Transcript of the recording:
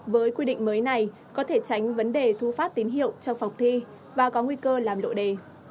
với quy định mới này có thể tránh vấn đề thu phát tín hiệu trong phòng thi và có nguy cơ làm lộ đề